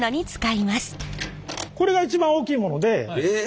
これが一番大きいものでえ。